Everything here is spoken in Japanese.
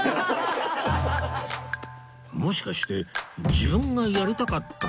もしかして自分がやりたかったって事？